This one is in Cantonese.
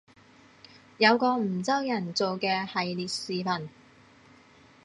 有個梧州人做嘅系列視頻